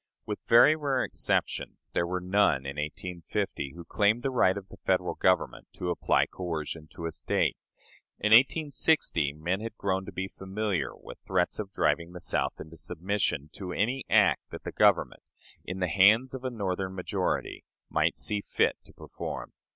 With very rare exceptions, there were none in 1850 who claimed the right of the Federal Government to apply coercion to a State. In 1860 men had grown to be familiar with threats of driving the South into submission to any act that the Government, in the hands of a Northern majority, might see fit to perform.